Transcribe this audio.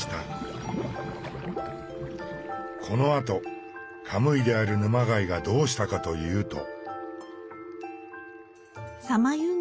このあとカムイである沼貝がどうしたかというと。